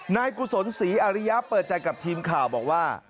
กุศลศรีอาริยะเปิดใจกับทีมข่าวบอกว่า